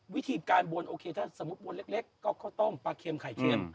วิธีการบ่นโอเคถ้าสมมุติบ่นเล็กก็ต้องปลาเคียมไข่เคียม